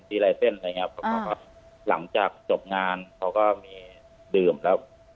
ทีไลเซ็นต์อะไรอย่างเงี้ยครับอ่าหลังจากจบงานเขาก็มีดื่มแล้ว